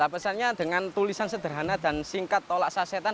pesannya dengan tulisan sederhana dan singkat tolak sasetan